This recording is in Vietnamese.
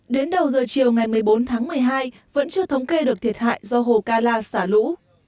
đến đầu giờ chiều ngày một mươi bốn tháng một mươi hai vẫn chưa thống kê được thiệt hại do hồ ca la xả lũ